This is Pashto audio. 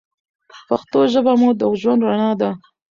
پښتو ژبه مو د ژوند رڼا ده.